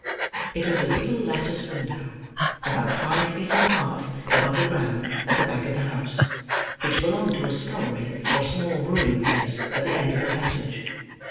It was a little lattice window, about five feet and a half above the ground, at the back of the house: which belonged to a scullery, or small brewing place, at the end of the passage.